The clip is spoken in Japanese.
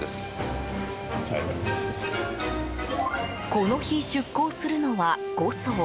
この日、出港するのは５艘。